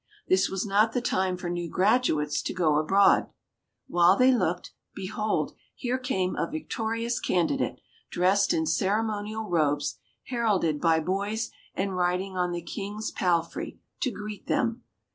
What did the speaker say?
This was not the time for new graduates to go abroad. While they looked, behold, here came a victorious candidate, dressed in ceremonial robes, heralded by boys, and riding on the King's palfrey, to greet them.